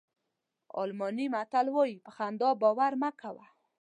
الماني متل وایي په خندا باور مه کوه.